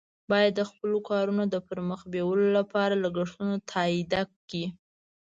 باید د خپلو کارونو د پر مخ بیولو لپاره لګښتونه تادیه کړي.